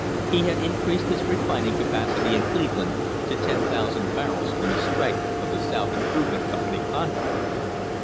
He had increased his refining capacity in Cleveland to 10,000 barrels on the strength of the South Improvement Company contracts.